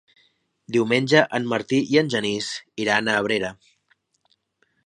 Diumenge en Martí i en Genís iran a Abrera.